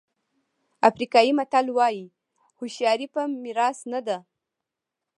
افریقایي متل وایي هوښیاري په میراث نه ده.